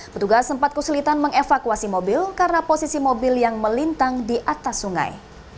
petugas sempat kesulitan mengevakuasi mobil karena posisi mobil yang melintang di atas sungai